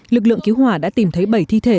lực lượng cứu hỏa đã tìm thấy bảy thi thể